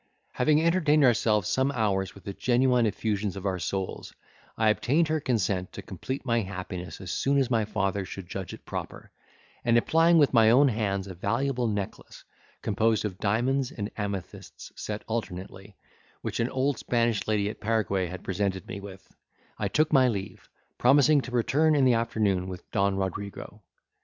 Having entertained ourselves some hours with the genuine effusions of our souls, I obtained her consent to complete my happiness as soon as my father should judge it proper; and, applying with my own hands a valuable necklace, composed of diamonds and amethysts set alternately, which an old Spanish lady at Paraguay had presented me with, I took my leave, promising to return in the afternoon with Don Rodrigo.